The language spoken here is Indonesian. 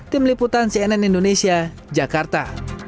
tim liputan cnn indonesia jakarta